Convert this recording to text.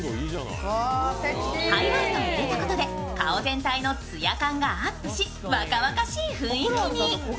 ハイライトを入れたことで顔全体の艶感がアップし、若々しい雰囲気に。